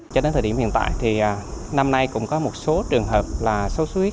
cho đến thời điểm hiện tại thì năm nay cũng có một số trường hợp là sốt xuất huyết